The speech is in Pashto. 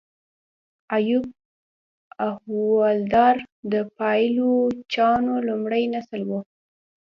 ایوب احوالدار د پایلوچانو لومړی نسل و.